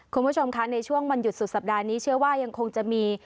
คุณผู้ชมคะในช่วงวันหยุดสุดสัปดาห์นี้เชื่อว่ายังคงจะมี